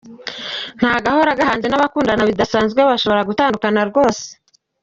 Nta gahora gahanze, n’abakundana bidasanzwe bashobora gutandukana rwose.